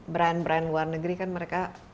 brand brand luar negeri kan mereka